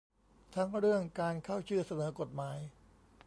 ทั้งเรื่องการเข้าชื่อเสนอกฎหมาย